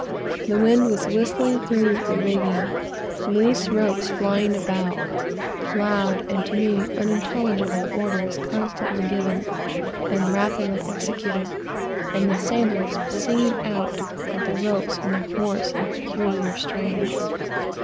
The wind was whistling through the rigging, loose ropes flying about; loud and, to me, unintelligible orders constantly given and rapidly executed, and the sailors "singing out" at the ropes in their hoarse and peculiar strains.